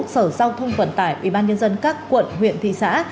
sở giao thông vận tải ubnd các quận huyện thị xã